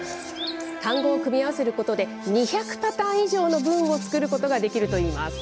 単語を組み合わせることで、２００パターン以上の文を作ることができるといいます。